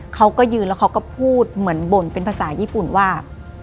เขาก็ยืนแล้วเขาก็พูดเหมือนบ่นเป็นภาษาญี่ปุ่นว่า